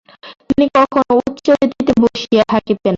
তিনি কখনও উচ্চ বেদীতে বসিয়া থাকিতেন না।